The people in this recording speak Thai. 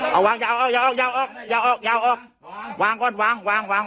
เอาออกยาวออกวางก่อนวางวางไว้